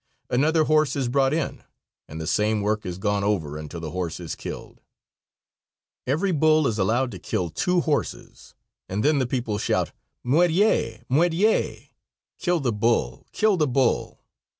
Another horse is brought in, and the same work is gone over until the horse is killed. Every bull is allowed to kill two horses, and then the people shout "Muerie! muerie!" (Kill the bull.)